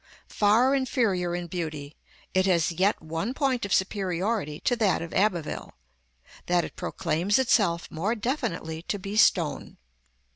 Far inferior in beauty, it has yet one point of superiority to that of Abbeville, that it proclaims itself more definitely to be stone.